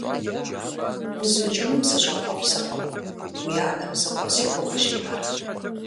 УзукӀыным сыщӀэхъуэпсыркъым, уи анэм зы къуэ си гугъэщ иӀэр…